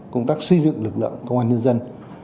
công tác xây dựng lực lượng công an nhân dân